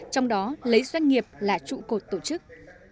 trong đó lấy doanh nghiệp là trụ cột tổ chức